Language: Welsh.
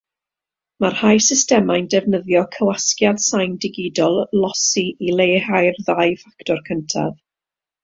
Mae rhai systemau'n defnyddio cywasgiad sain digidol "lossy" i leihau'r ddau ffactor cyntaf.